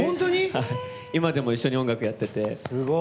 今でも一緒に音楽やってて。